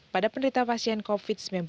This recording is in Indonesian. pada penderita pasien covid sembilan belas